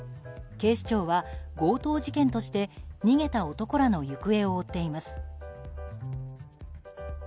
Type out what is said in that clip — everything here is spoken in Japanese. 警視庁は強盗事件として逃げた男らの行方を追っています。